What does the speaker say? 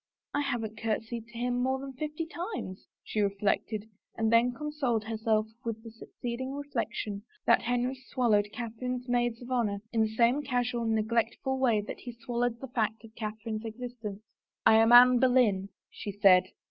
" I haven't courtesied to him more than fifty times 1 " she reflected, and then consoled herself with the succeeding reflection that Henry swallowed Catherine's maids of honor in the same casual, neglectful way that he swallowed the fact of Catherine's existence. I am Anne Boleyn," she said.